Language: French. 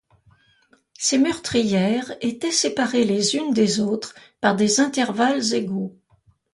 Ces meurtrières étaient séparées les unes des autres par des intervalles égaux.